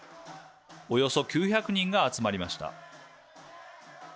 およそ９００人が集まりました。